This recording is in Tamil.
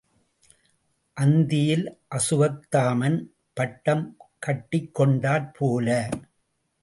அந்தியில் அசுவத்தாமன் பட்டம் கட்டிக் கொண்டாற் போல.